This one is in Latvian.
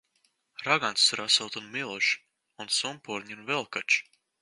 Raganas tur esot un milži. Un sumpurņi un vilkači.